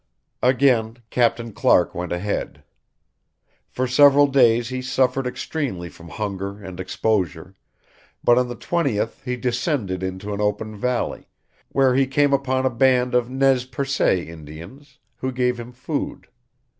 Again Captain Clark went ahead. For several days he suffered extremely from hunger and exposure; but on the 20th he descended into an open valley, where he came upon a band of Nez Percé Indians, who gave him food.